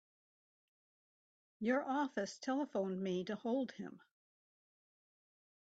Your office telephoned me to hold him.